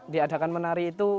diadakan menari itu